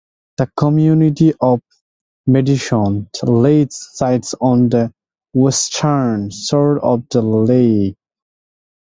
The community of Madison Lake sits on the western shore of the lake.